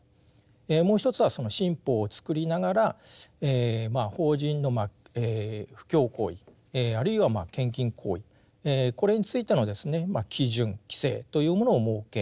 もう一つはその新法を作りながら法人の布教行為あるいは献金行為これについてのですね基準・規制というものを設け